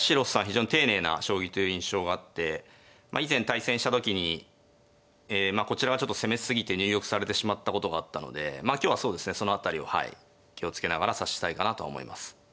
非常に丁寧な将棋という印象があって以前対戦した時にこちらがちょっと攻め過ぎて入玉されてしまったことがあったので今日はそうですねその辺りをはい気を付けながら指したいかなとは思います。